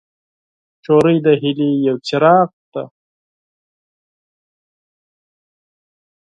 نجلۍ د هیلې یو څراغ دی.